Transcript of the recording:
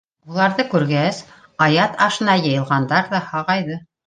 Уларҙы күргәс, аят ашына йыйылғандар ҙа һағайҙы.